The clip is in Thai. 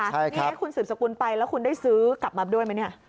นี่คุณสืบสกุลไปแล้วคุณได้ซื้อกลับมาด้วยไหมเนี่ย